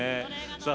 さあ